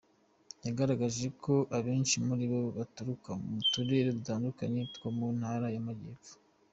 Yagaragaje ko abenshi muri bo baturuka mu turere dutandukanye two mu Ntara y’Amajyepfo.